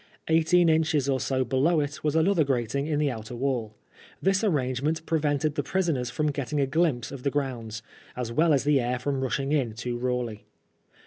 Eighteen inches or so below it was another grating in the outer wall. This arrangement prevented the prisoners from getting a glimpse of the grounds, as well as the air from rushing in too rawly.